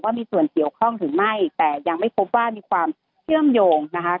ว่ามีส่วนเสี่ยวข้องถึงไม่แต่ยังไม่พบว่ามีความเคลื่องโยงนะครับ